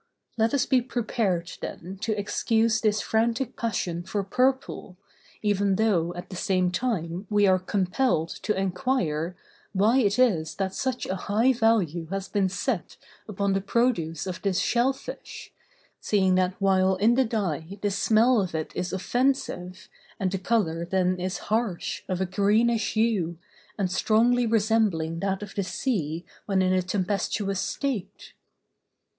Let us be prepared then to excuse this frantic passion for purple, even though at the same time we are compelled to enquire, why it is that such a high value has been set upon the produce of this shell fish, seeing that while in the dye the smell of it is offensive, and the color then is harsh, of a greenish hue, and strongly resembling that of the sea when in a tempestuous state?